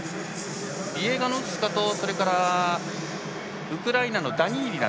ビエガノフスカザヤツとウクライナのダニーリナ。